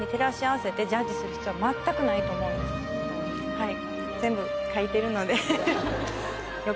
はい。